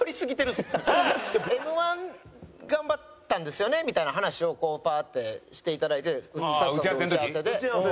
Ｍ−１頑張ったんですよねみたいな話をこうパーッてしていただいてスタッフさんとの打ち合わせで。